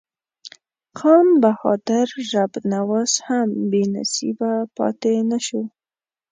خان بهادر رب نواز هم بې نصیبه پاته نه شو.